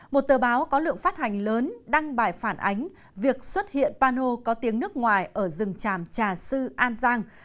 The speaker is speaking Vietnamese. một tờ báo có lượng phát hành lớn đăng bài phản ánh việc xuất hiện pano có tiếng nước ngoài ở rừng tràm trà sư an giang